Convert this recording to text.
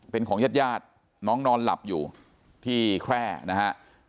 เป็นของญาติญาติน้องนอนหลับอยู่ที่แคร่นะฮะ